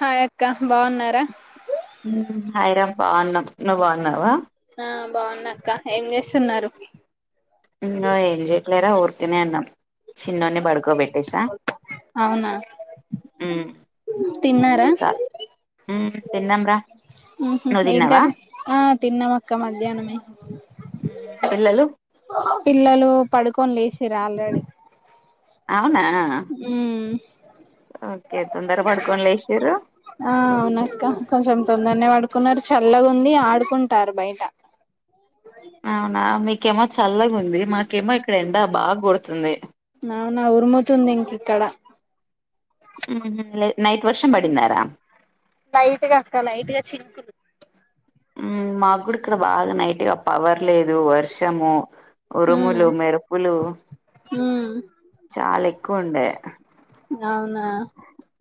హాయక్క బాగున్నారా ఊ హాయ్ రా బాగున్నాం నువ్ బాగున్నావా ఆ బాగున్నక్క ఏం చేస్తున్నారు ఊ నువ్ ఎం జెట్లే రా ఊరుకనే ఉన్నం చిన్నోని పడుకోబెట్టేసా అవునా మ్మ్ తిన్నారా ఊ తిన్నం రా ఊహు నువ్వు ఏం తిన్నావా కర్రి ఆ తిన్నమక్క మధ్యాహ్నమే ఊ పిల్లలు పిల్లలు పడుకొని లేసిరు ఆల్రెడీ అవునా ఊ ఓకే తొందర పడుకొని లేషిరు ఆ అవునక్క కొంచెం తొందరనే పడుకున్నారు చల్లగుంది ఆడుకుంటరు బయట అవునా మీకేమొ చల్లగుంది మాకెమో ఇక్కడ ఎండ బాగా కొడుతుంది అవునా ఉరుముతుంది ఇంక ఇక్కడ ఊహు లేద్ నైట్ వర్షం పడిందారా లైట్గా అక్క లైట్ గ చింకులు ఊ మాగుడు ఇక్కడ బాగా నైట్గా పవర్ లేదు వర్షము ఉమ్ ఉరుములు మెరుపులు ఉమ్ చాలా ఎక్కువ ఉండే అవునా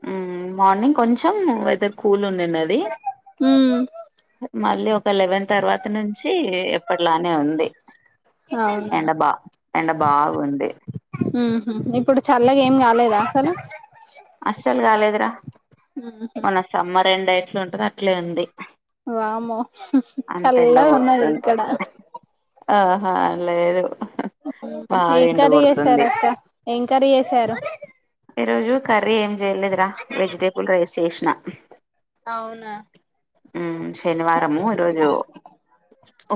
ఊ మార్నింగ్ కొంచెం వెదర్ కూల్ ఉనునది ఉమ్ మళ్ళీ ఒక లెవెన్ తర్వాత నుంచి ఎప్పట్లానే ఉంది అవునా ఎండ బా ఎండ బాగుంది ఉ ఇప్పుడు చల్లగ ఏం కాలేదా అసలు జిరా ఉహు మన సమ్మర్ ఎండ ఎట్లుంటదో అట్లే ఉంది వామ్మో అంత చల్ల ఎండ ఉన్నది కొడుతుంది ఇక్కడ ఆహా లేదు బాగా ఏం ఎండ కర్రీ చేసారు కొడుతుంది. అక్క ఏం కర్రీ చేసారు ఈరోజు కర్రీ ఏం చేయలేదురా వెజిటేబుల్ రైస్ చేసినా అవునా ఊ శనివారము ఈరోజు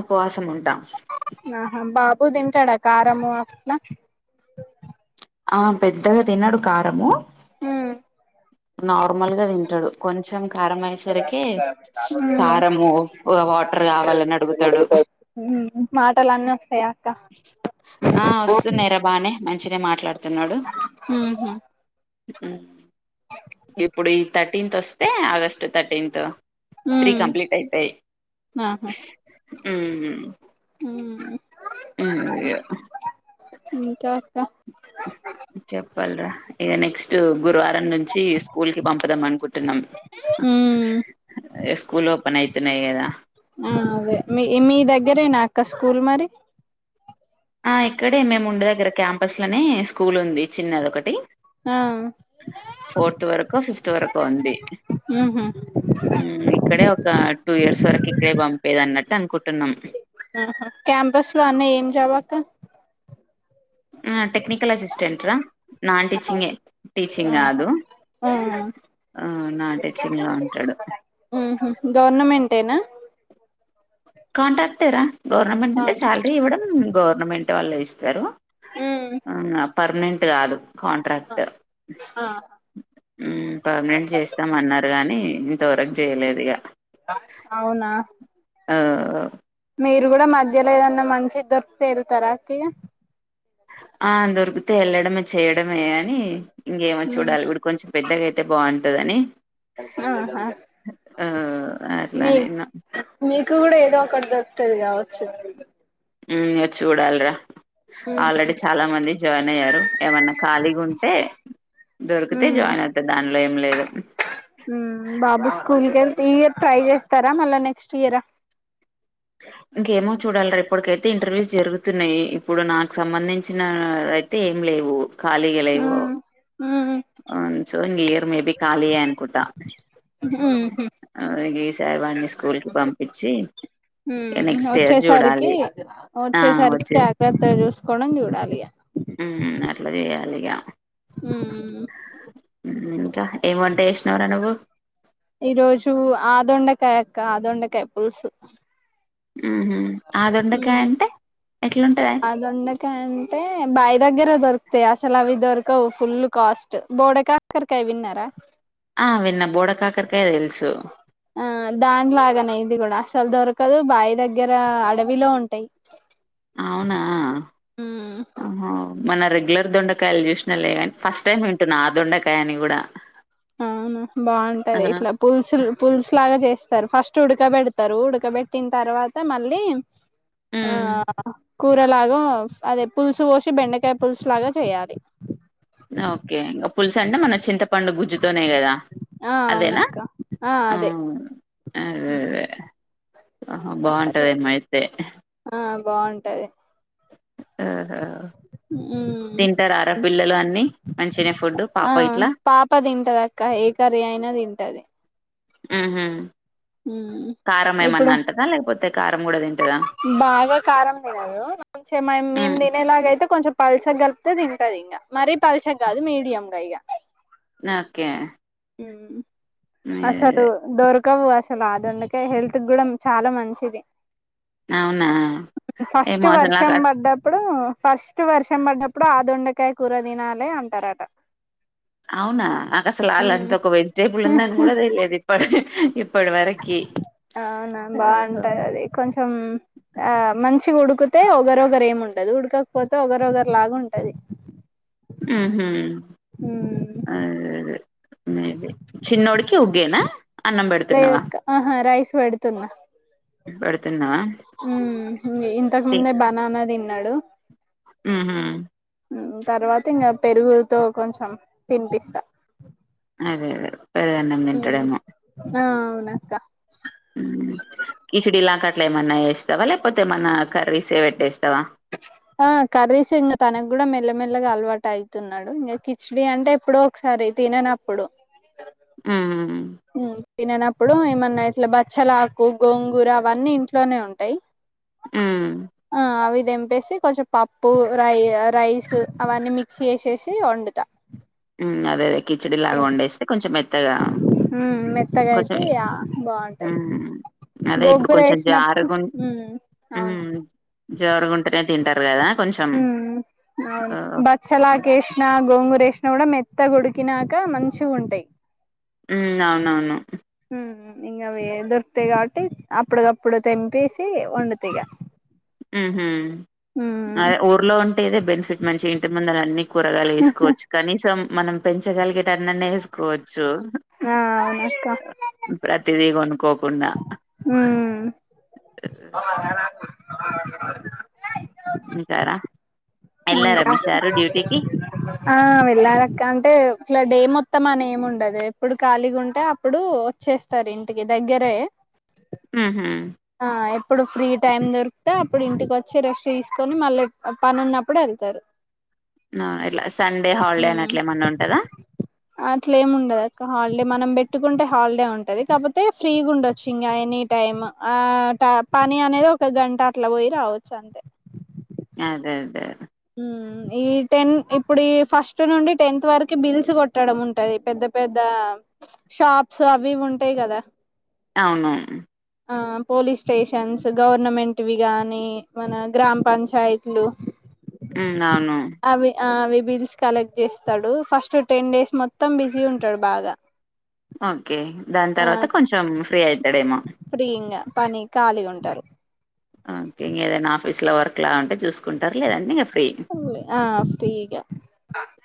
ఉపవాసమున్ ఆహా బాబు తింటాడా కారము అట్ల ఆ పెద్దగా తినడు కారము ఊ నావ్ ర్మల్ గా తింటడు కొంచెం కారం అయేసరికి కారము ఉప్ వాటర్ కావ లని అడుగుతడు ఊ మాటలన్నస్తయ అక్క ఆ ఉహు వస్తున్నయ్ బానే మంచనే మాట్లాడుతున్నడు ఇప్పుడు ఈ థర్టీన్త్ వస్తే August thirteenth three um complete అయితయ్ ఊ ఊ ఇంకా అక్క చెప్పల్రా ఇక నెక్స్ట్ గురువార్ రం నుంచి స్కూల్ కి పంపుదాం అనుకుంటున్నాం ఉమ్ ఇగ స్కూల్ ఓపెన్ అయి తున్నయ్ కదా ఆ అదే మీ మీ దగ్గరేనా అక్క స్కూల్ మరి ఇక్కడే మేము ఉండ దగ్గర క్యాంపస్ లోనే స్కూల్ ఉంది చిన్నది ఒకటి ఆ ఫోర్త్ వరకు ఫిఫ్త్ వరకు ఉంది ఉహు ఇక్కడే ఒక టూ ఇయర్స్ వరకు ఇక్కడే పంపేది అన్నట్టు అనుకుంటున్నాం క్యాంపస్ లో అన్న ఏం జాబ్ అక్క టెక్నికల్ అసస్టెంట్ రా నాన్ టీచింగే అవును టటీచింగ్ ఆహా కాదు ఆ ఆ నాన్ టీచింగ్ లో ఉంటాడు గవర్నమెంట్యినా కాంట్రాక్టేరా గవర్నమెంట్ అంటే శాలరీ ఇవ్వడం గవర్నమెంట్ వాళ్ళు ఇస్తారు ఉ పర్మనెంట్ కాదు కాంట్రాక్ట్ ఆ ఉమ్ పర్మనెంట్ చేస్తామ అన్నారు కాగానీ ఇంతవరకు చేయలేదు ఇక అవునా హు మీరు కూడా మధ్యలోదన్న మంచిదీ దొరికితే వెళ్తారా ఇక ఆ దొరికితే వెళ్ళడమే చేయడమే అని ఇంకేమో చూడాలి ఇ కొంచెం పెద్దగాయితే బాగుంటదని ఆహ ఆ మీ అట్లానే మీకు కూడా ఏదో ఒకటి దొరుకుతది కావచ్చు ఉమ్ చూడాలరా ఉమ్ ఆల్రెడీ చాలా మంది జాయిన్ అయ్యారు ఏమన్నా ఖాళీగా ఉంటే దొరికితే ఉమ్ జాయిన్ అవుతంది దానిలో ఏం లేదు ఉ బాబు స్కూల్క ట్రై చేస్తారా మళ్ళా నెక్స్ట్ ఇయరా ఇంకేమో చూడాలిరా ఇప్పటికైతే ఇంటర్వ్యూస్ జరుగుతున్నాయి ఇప్పుడు నాకు సంబంధించిన అయితే ఏమి లేవు ఖాళీగా లేవు ఉమ్ ఉమ్ అవును సో ఇం ఇయర్ మేబి ఖాళయే అనుకుంటా ఉహు అ ఈ సార్ వాడిని స్కూల్కి పంపించి నెక్స్ట్ ఇయర్ వచ్చేసరికి చూడాలి ఆ వచ్చేసరికి వచ్చే జాగ్రత్త చూసుకోవడం చూడాలి ఇక అట్లా చేయాలి ఇగా ఉమ్ ఇంకా ఏం వంట చేసినవార నువ్వు ఈ రోజు ఆదొండకాయ అక్క ఆదొండకాయ పులుసు ఉహు ఆ దొండకాయ అంటే ఎట్లుంటది ఆ దొండకాయ అంటే బావి దగ్గరే దొరుకు అసలు అవి దొరకవు ఫుల్ కాస్ట్ బోడ కాకరకాయ విన్నారా ఆ విన్న బోడకాకర్కాయ తెల ఆ దాని లాగానే ఇది కూడా అసలు దొరకదు బావి దగ్గర అడవిలో ఉంటాయి ఉమ్ అవునాహో మన రెగ్యులర్ దొండకాయలు చూస్తు లే కాని ఫస్ట్ టైం వింటున్నా ఆదొండకాయ అని కూడా అవునా బాగుంటది ఇట్లా పులుసులు పులుసులాగా చేస్త ఫస్ట్ ఉడకబెడతారు ఉడకబెట్టిన తర్వాత మళ్ళీ ఆ హ్మ్. కూర లాగా అదే పులుసు పోసి బెండకాయ పులుసు లాగా చేయాలి ఓకే ఇంకా పులుసు అంటే మన చింతపండు గుజ్జుతోనే కదా ఆ అదేనా అవునక్క ఆ అదే ఆ ఆహా బాగుంటద అట్లా ఏమ అయితే ఆ బాగుంటది ఆహా ఉమ్. తింటారార పిల్లలు అన్ని మంచినే ఫుడ్ ఆ పాప ఇట్లా పాప తింటది అక్క ఏ కరీ అయినా తింటది ఆహా ఉమ్. కారం ఏమన్నా ఇప్పుడు అంటదా లేకపోతే కారం కూడా తిన బాగా కారం తినదు కొ మేము హ్మ్. తినేలాగ అయితే కొంచెం పల్సగా కలుపుతే తింటది ఇంకా మరీ పల్స కాదు మీడియంగా ఇక నాకే అసలు డోర్ దొరకవు అసలు ఆ ఆ దొండకై హెల్త్ కూడా చాలా మంచిది అవునా? ఫస్ట్ ఏమో అసలు నాకు వర్షం పడ్డప్పుడు ఫస్ట్ వర్షం పడినప్పుడు ఆ దొండకాయ కూరదినాలి అంటారట అవునా నా అసలు అళ్ళంతా ఒక వెజిటేబుల్ ఉందని కూడా తె లేదు ఇప్పటి ఇప్పటి వరకి అవునా ఆహా! బాగుంటది అది కొంచెం ఆ మంచి ఉడుకితే ఒగరు ఒగరు ఏమింటుంది ఉంటదు ఉడకకపోతే ఒగరు ఒగారు లాగా ఉంటది ఉహు అదే అదే చిన్నోడుకి ఉ గే నా లేద అక్క రైస్ పెడుతున్నా బెడుతున్నవా? ఉ ఇంతకు ముందే బనానా తిన్నాడు ఉహు తర్వాత ఇంకా పెరుగుతో కొంచెం తినిపిస్తా అదే అదే పెరుగున్నం ఉమ్ తింటడేమో ఆ అవును అక్క కిచిడి లాక అట్లా ఏమన్నా వేస్తావా లేకపోతే ఏమన్నా కర్రీ సే పెట్టేస్తావా ఆ కర్రీస్ ఇంకా తనకు కూడా మెల్లమెల్లగా అలవాటు అవుతున్నాడు ఇంకా కిచీడి అంటే ఎప్పుడో ఒకసారి అయి తిననప్పుడు ఉ తిననప్పుడు ఏమన్నా ఇట్లా బచ్చలా ఆకు గోంగూర అవన్నీ ఇంట్లోనే ఉంటాయి ఉమ్ దంపేసి కొంచెం పప్పు రై రైస్ అవన్నీ మిక్స్ చేసేసి వండుతా అదేద కిచిడి లాగా వండేస్తే కొంచెం మెత్తగా మెత్తగా కొంచెం అయితే ఆ బాగుంటాది హ్మ్. అదే ఇప్పుడు గోంగూర కొంచెం వేసినప్పుడు అవును జరుగుంటెనే తింటారు కదా కొంచెం హు ఆ బచ్చల ఆకు వేసిన గోంగూర ఆసినా కూడా మెత్త కొడికినాక మంచి ఉంటాయి ఉ అవునవును ఇంకా అవి దొరుకుతాయి కాబట్టి అప్పుటికప్పుడు తెంపేసి వండుతా ఇగా ఉహు అదే ఊర్లో ఉంటేదే బెనిఫిట్ మంచి ఇంటి ముందుని అన్ని కూరగాలు వేసుకోవచ్చు కనీసం మనం పెంచగలిగేటన్న న వేసుకోవచ్చు ఆ చు అవునక్క ప్రతిదీ కొను ఉం వుంటారా ఇంకా ఆ వెళ్ళాలక్క అంటే ఇట్ల డే మొత్తం మొత్తం అని ఏమి ఉండదు ఎప్పుడు ఖాళీగా ఉంటే అప్పుడు వచ్చేస్తారు ఇంటికి దగ్గరే హు హమ్ ఆ ఎప్పుడు ఫ్రీ టైం దొరికితే అప్పుడు ఇంటికి వచ్చి రెస్ట్ తీసుకొని మళ్ళీ పని ఉన్నప్పుడు తరు ఆ ఇట్లా సండే హాలిడే అనేట్లే ఏమన్నా ఉంటందా అట్లా ఏముండదు అక్క హాలిడే మనం పెట్ పెట్టుకుంటే హాలిడే ఉంటది కాకపోతే ఫ్రీగా ఉండొచ్చు ఇంగ ఎనీ టైమ్ ఆ పని అనేది ఒక గంట అట్లా పోయి రావచ్చు అంతే అదే అదే ఉం ఈ టెన్ ఇప్పుడు ఈ ఫస్ట్ నుండి టెన్త్ వరకి బిల్స్ కొట్టడం ఉంటది పెద్ద పెద్ద షాప్స్ అవి ఇవి ఉంటాయి కదా అవునవును ఆ పోలీస్ స్టేషన్స్ గవర్నమెంట్వి గానీ మన గ్రామ పంచాయతీలు ఉం అవును అవి ఆ అవి బిల్స్ కలెక్ట్ చేస్తాడు ఫస్ట్ టెన్ డేస్ మొత్తం బిజీ ఉంటాడు బాగా ఓకే దాని ఆ తర్వాత కొంచెం ఫ్రీ అయితు ఫ్రీ ఇంగా పని ఖాళీగా ఉంటారు ఓకే ఇంగ ఏదైనా ఆఫీస్ లో వర్క్ లా ఉంటే చూసుకుంటారు లేదంటే ఫ్రీ. ఆ ఫ్రీగ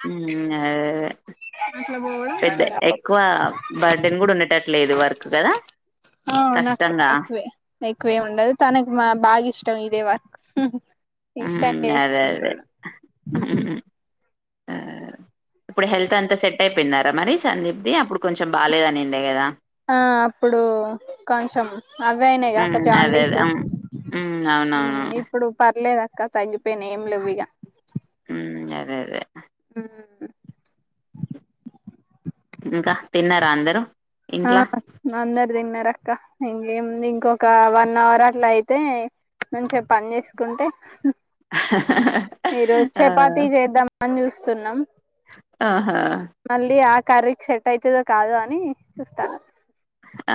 ఉం అదే అదే అట్లా పోవడం పెద్ద ఇట్లా రావడం ఎక్కువ బర్డెన్ కూడా ఉండేటట్లేదు వర్క్ కదా ఆ అవును అక్క ఎక్వే ఎక్వే ఉండదు తనకు మా బాగా ఇష్టం ఇదే వ ఉం అదే అదే చేసుకుంటాడు ఇప్పుడు హెల్త్ అంతా సెట్ అయిపోయిందరా మరి సందీప్ది అప్పుడు కొంచెం బాలేదనిండే గదా! ఆ అప్పుడు కొంచెం అవే అయినాయి గక్క హ్మ్. అదే. అదే. జాండీస్ ఉం హ్మ్. హ్మ్. అవునవును. ఇప్పుడు పర్లేదు అక్క కా తగ్గిపోయినయి ఏం లేవ్ ఇగ ఉం అదే అదే హూ హమ్ ఇంకా తిన్నారా అందరూ ఆ ఇంట్లా? అందరూ తిన్నరు అక్క ఏముంది ఇంకొక వన్ అవర్ అట్లా అయితే మంచిగా పని చేసుకుంటే ఈరోజు ఆ! చపాతీ చేద్దాం అని చూస్తున్నాం ఆహా మళ్ళీ ఆ కర్రీకి సెట్ అయితదో కాదో అని చూస్తాన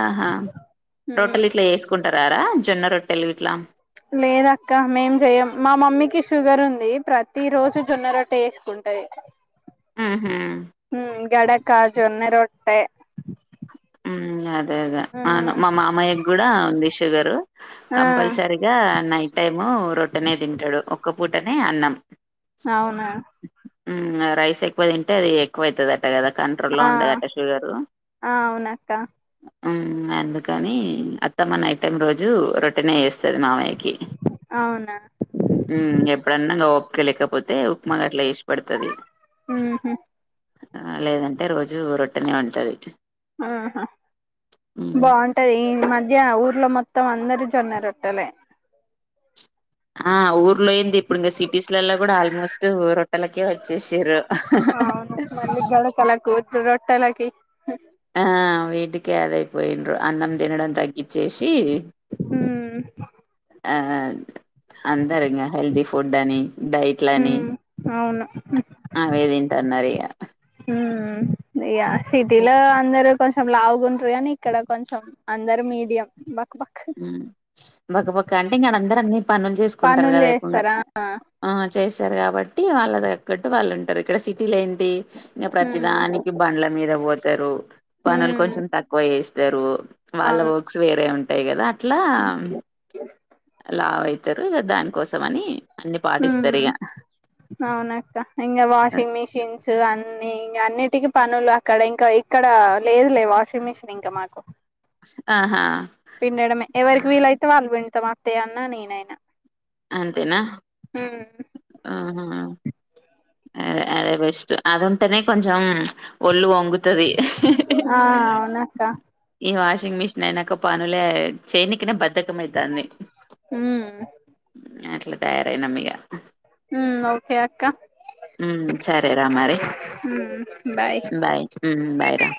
ఆహా రొట్టెలు ఇట్లా చేసుకుంటారారా జొన్న రొట్టెలు ఇట్లా లేదక్క మేం చెయం మా మమ్మీకి షుగర్ ఉంది ప్రతి రోజు జొన్న రొట్ట చేసుకుంట టది హూ హమ్ గడ కాజొన్నె రొట్టె ఉమ్ అదే అదే అవును మా మామయ్య గుడా ఉంది షుగరు. ఆ కంపల్సరిగా నైట్ టైము రొట్టెనే తింటడు, ఒక్క పూటనే అన్నం. అవునా. ఉమ్ రైస్ ఎక్కువ తింటే అది ఎక్కువ అవుతదట కదా కంట్రోల్లో లో ఉండదట షుగరు. ఆ అవునక్క ఉమ్ అందుకని అత్తమ్మ నైట్ టైం రోజు రొట్టనే ఏస్ స్తది మామయ్యకి అవునా ఉమ్ ఎప్పుడన్నా ఒపిక లేకపోతే ఉప్మా గట్ల చేసి పెడతది. ఉహు ఆ లేదంటే రోజు రొట్టనే ఉంటది. ఆహా హ్మ్. బాగుంటది ఈ మధ్య ఊర్లో మొత్తం అందరు జొన్నరొట్టెలే ఆ ఊరు లేంది ఇప్పుడు ఇంగ సిటీస్లల్లా గుడ ఆల్మోస్ట్ రొట్టలకే వచ్చేసిర్రు. గొడకొలకు రొట్టెలకి ఆ వీటికదైపోయిండ్రు అన్నం తినడం తగ్గచ్చేసి ఉమ్ ఆ అందరింగా హెల్తీ ఫుడ్ అని. డైట్లని మ్మ్ అవును అవే తింటన్నరు ఇగ మ్మ్ ఇగ సిటీలో అందరు కొంచ్ చం లాగుంటరు గనీ ఇక్కడ కొంచెం అందరు మీడియం బ ఉమ్ బక్క బక్క అంటే ఇంగ అందరు అన్ని పనులు చేసుకుంటరు పనులు కదా చేస్తారా స్తరు కాబట్టి వాళ్ళ తగ్గట్టు వాళ్ళు ఉంటరు, ఇక్కడ సిటీ లెన్ టి ఇంగ మ్మ్ ప్రతిదానికి బండ్ల మీద పోతరు, పనులు మ్మ్ కొంచెం తక్కువ చేస్ స్తరు వాళ్ళ అవును వర్క్స్ వేరే ఉం టయి కదా అట్లా, లావైతరు దానికోసం అని అన్ని పాటిస్తారు హ్మ్ ఇగ అవునక్క, ఇంగ వాషింగ్ మిషిన్స్ న్ నీ ఇంగ అన్నిటికి పనులు అక్కడ, ఇంకా ఇక్కడ లేదులే వాషింగ్ మిషిన్ ఇంకా మాకు ఆహా పిండడమే ఎవరికి వీలైతే వాళ్ళు పిండుతం అంతే, అన్న నేనైనా. అంతేనా ఆహా అ అదే బెస్ట్ అది ఉంటెనే కొంచం ఒళ్ళు వంగుతది, ఆ అవునక్క ఈ వాష్ వాషింగ్ మిషన్ అయినాక పనులే చేయనికినే బద్ధకం అయితాంది. ఉమ్ నే అట్ల తయారైనమిగా హ్మ్ ఓకే అక్క ఉమ్ సరేరా మరీ, బాయ్ ఉమ్ బాయ్ రా.